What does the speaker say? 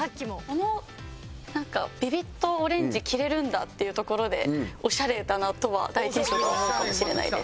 あのビビッドオレンジ着られるんだっていうところでオシャレだなとは第一印象で思うかもしれないです。